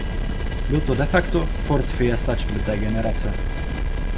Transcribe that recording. Byl to de facto Ford Fiesta čtvrté generace.